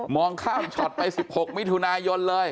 องข้ามช็อตไป๑๖มิถุนายนเลย